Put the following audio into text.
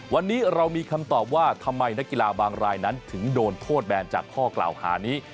วันนี้เรามีคำตอบว่าทำไมนักกีฬาบางรายนั้นถึงโดนโทษแบนจากข้อกล่าวหานี้